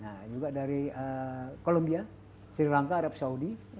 nah juga dari columbia sri lanka arab saudi